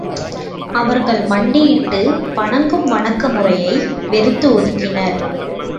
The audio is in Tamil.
அவர்கள் மண்டியிட்டு வணங்கும் வணக்க முறையை வெறுத்து ஒதுக்கினர்.